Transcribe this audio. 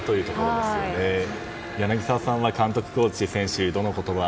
柳澤さんは監督、コーチ、選手どの言葉に。